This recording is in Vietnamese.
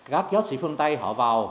các giáo sĩ phương tây họ vào